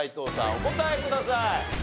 お答えください。